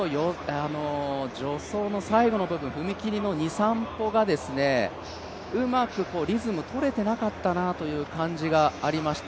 助走の最後の部分、踏み切りの２３歩がうまくリズムがとれていなかったなというところがありました。